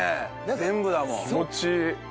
全部だもん！